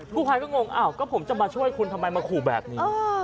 ผู้ภัยก็งงอ้าวก็ผมจะมาช่วยคุณทำไมมาขู่แบบนี้